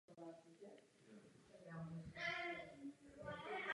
Sám jsem pracoval na směrnici o ochraně půdy.